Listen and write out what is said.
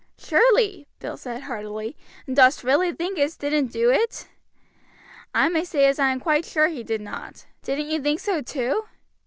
"Surely," Bill said heartily; "and dost really think as he didn't do it?" "I may say I am quite sure he did not, Bill. Didn't you think so too?"